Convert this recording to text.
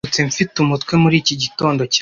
Nabyutse mfite umutwe muri iki gitondo cyane